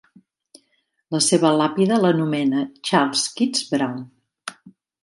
La seva làpida l'anomena Charles Keats Brown.